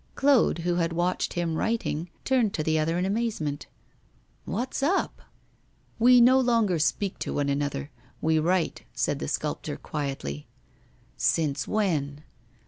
Claude, who had watched him writing, turned to the other in amazement. 'What's up?' 'We no longer speak to one another; we write,' said the sculptor, quietly. 'Since when?